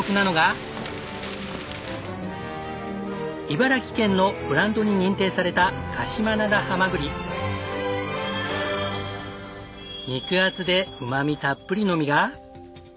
茨城県のブランドに認定された肉厚でうまみたっぷりの身が。